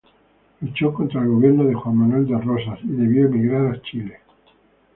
Luchó contra el gobierno de Juan Manuel de Rosas y debió emigrar a Chile.